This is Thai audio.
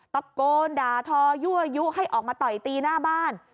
ตะโกนด่าทอยั่วยุให้ออกมาต่อยตีหน้าบ้าน